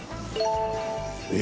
え。